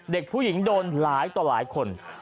เด็กผู้หญิงโดนหลายต่อหลายคน